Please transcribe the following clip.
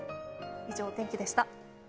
以上、お天気でした。